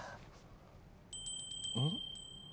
うん？